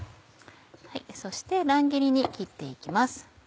そして乱切りに切って行きます。